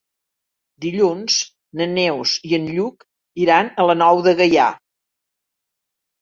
Dilluns na Neus i en Lluc iran a la Nou de Gaià.